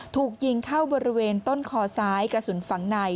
ถูกยิงเข้าบริเวณต้นคอซ้ายกระสุนฝังใน